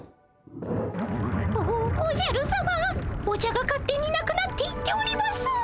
お茶が勝手になくなっていっております。